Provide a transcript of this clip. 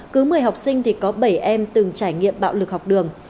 cứ một mươi học sinh thì có bảy em từng trải nghiệm bạo lực học đường